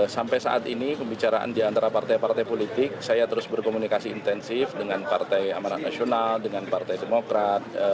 sampai saat ini pembicaraan diantara partai partai politik saya terus berkomunikasi intensif dengan partai amanat nasional dengan partai demokrat